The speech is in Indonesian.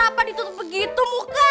apa ditutup begitu muka